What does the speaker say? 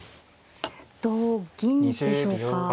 同銀でしょうか。